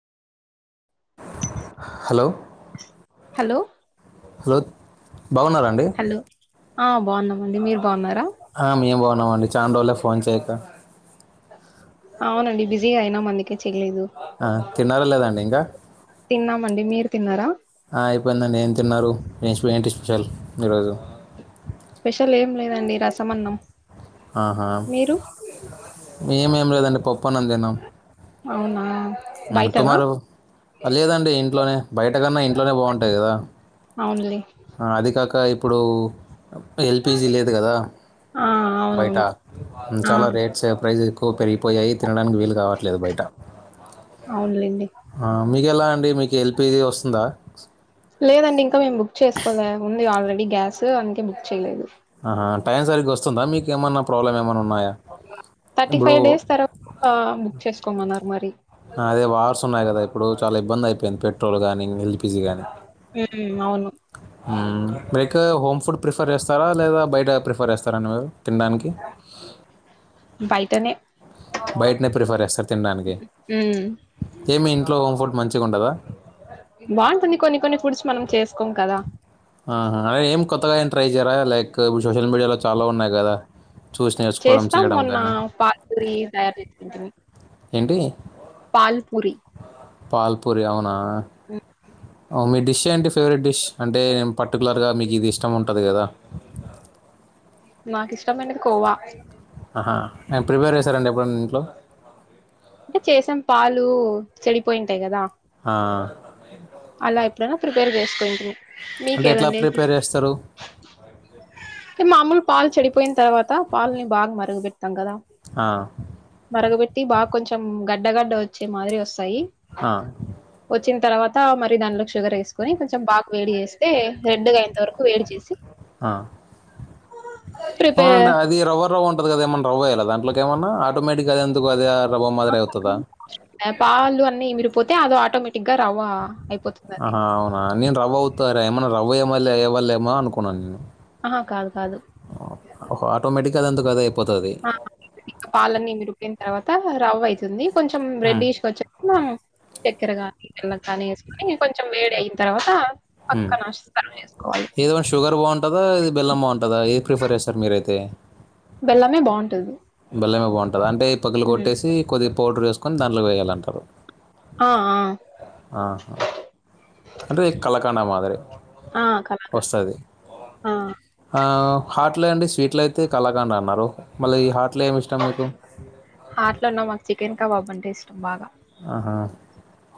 Hello hello దొద్ బాగున్నారాండి hello ఆ బాగున్నామండి మీరు బాగున్నారా ఆ మేం బావున్నామండి చాన్ రోల్ అయ ఫోన్ చేయక అవునండి బిజిగా అయిన మందుకి చేయలేదు ఆ తిన్నారా లేదండి ఇంకా తిన్నామండి మీరు తిన్నారా ఆ, విషల్ గురోజు స్పెషల్ ఏం లేదండి రసమన్నం ఆహా మీరు మేమి లేదండి పప్పను అ తన్నాం అవునా బయటనా టుమారో లేదండి ఇంట్లోనే బయట కన్నా ఇంట్లోనే బాగుంటాయి కదా అవునులే అది కాక ఇప్పుడు ఎల్పిజీ లేదు కదా ఆ బయట అవునవును ఆ చాలా రేట్స్ ప్రైస్క్ ఓక్కరిపోయాయి తినడానికి వీలు కావట్లేదు బయటహా అవునులేండి ఆ మీకు ఎల అండి మీకు ఎల్పీజీ వస్తుందా లేదండి ఇంక మేము బుక్ చేసుకోలే ఉంది ఆల్రెడీ గ్యాస్ అందుకే బుక్ చేయలేదు ఆహా టైం సరిగ్గా వస్తుందా మీకె ఏమన్నా థర్టీ ఫైవ్ డేస్ తర్వా బుక్ చేసుకోమన్నారు మరి అదే వార్సున్నాయ్ కదా ఇప్పుడు చాల ఇబ్బంది అయిపోయింది పె ట్రోల్ కానీ ఎల్పిజీ కానీ ఉమ్, అవును ఉం మీకు హోమ్ ఫుడ్ ప్రిఫర్ చేస్తారా లేదా బయట ప్రిఫర్ చేస్తారా అండి మీరు తినడానికి? బయటనే బయటనే ప్రిఫర్ చేస్తరు తినడానికి ఉమ్, ఏమి ఇంట్లో ఓ హోం ఫుడ్ మంచిగుండదా బాంటుంది కొన్ని కొన్ని ఫుడ్స్ మనం చేసుకోం కదా అ హా ఏం కొత్తగా ఏం ట్రై చేయారా లైక్ ఇప్పు సోషల్ మీడియాలో చాలా ఉన్నాయి గదా! చూసి నేర్చుకోవడం, చేస్తాం చేయడం మొన్న గానీ. పానీ పూరి తయారు చేసింటమి ఏంటీ పాల్ పూరి పాల్ప్పూరి అవునా ఆ మీ డిష్ ఏంటి ఫేవరెట్ డిష్ అంటే ట్టది గదా నాకు ఇష్టమైనది కోవా అహా ఏం ప్రిపేర్ చేశారండి ఎప్పుడున్న ఇంట్లో అంటే చేసాం పాలు చెడిపోయింటాయ్ కదా ఆ అల ఏప్పుడున్న ప్రిపేర్ చే కుటిమి అంటే ఎట్లా ప్రిపేర్ చేస్తరు మాములు పాలు చెడిపోయిన తర్వాత పాలుని బాగా మరుగు పెడతాం కదా అ మరగబెట్టి బా కొంచెం గడ్డగడ్డ వచ్చే మాదిరి వస్తాయి ఆ, వచ్చిన తర్వాత్ తా మరి దానిలో షుగర్ వేసుకని కొంచెం బాగ వేడి చేస్తే రెడ్ అయింత వరకు వేడి చేసి ఆ. ప్రిపేర్ కద ఏమన్నా రవ్వవేయాల దాంట్లోకెమన్నా ఆటోమేటిక్ అఎందు అది రవ్వ మాదిరి అవుతుందా [unintelligible] పాలు అన్న విడిపోతే అద ఆటోమేటిక్ గా రవ్వ అయిపోతుంది అది ఆహా అవునా నేన్ రబోత్తరే ఏమన్న రవ్వయమల్లె ఏవళ్లే ఏమో అనుకున్నాను నేను ఆహ కాదు కాదు కదేపు పాలన్నీ ఇమిరిపోయిన్ పాలన్ని ఇమిరీపోయినయ్ తర్వాత రవ్వయితుంది. కొంచెం ఉమ్, రెడ్డిష్కొచ్చే చక్కెర గానీ బెల్లం గానీ వేసుకోని కొంచెం వేడి అయిన తర్వాత ఉమ్. పక్కన సరి చేసుకోవాలి. టాదా బెల్మ్మగుంటుందా ఏది ప్రిఫర్ చేస్తారు మీరైతే బెల్లమే బావుంటది. బెల్లమే బాగుంటది అంటే ఈ పగలు హ్మ్. కొట్టేసి కొద్ది పౌడర్ వేసుకొని దానిలో వేయాలంటారు ఆ! ఆ! ఆహా అంటే కలకండ మాదిరి ఆ! కలాకండ్. వస్తది ఆ! ఆ హార్ట్ లో అండి స్వీట్ లో అయితే కలకండ అన్నారు మళ్ళీ ఈ హార్ట్ హార్ట్లోన మాకు చికెన్ కబాబ్ అంటే ఇష్టం బాగా ఆహా!